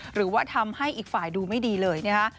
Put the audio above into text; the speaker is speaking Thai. หรือว่าทำให้อีกฝ่ายดูไม่ดีเลยนะคะ